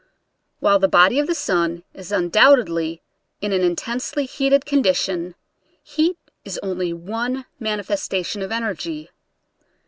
While the body of the sun is undoubtedly in an intensely heated condition, heat is only one manifestation of energy.